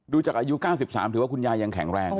ดูจากอายุ๙๓ถือว่าคุณยายยังแข็งแรง